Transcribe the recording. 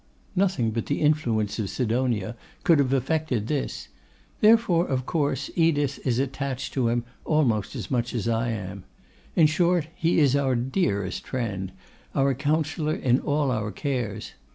Nothing but the influence of Sidonia could have effected this. Therefore, of course, Edith is attached to him almost as much as I am. In short, he is our dearest friend; our counsellor in all our cares.